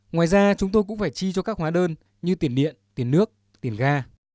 ngoài ra chúng tôi cũng phải chi cho các hóa đơn như tiền điện tiền nước tiền ga